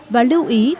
và lưu ý